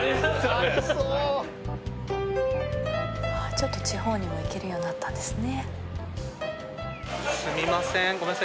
ちょっと地方にも行けるようになったんですね。